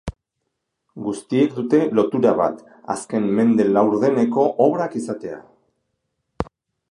Guztiek dute lotura bat, azken mende laurdeneko obrak izatea.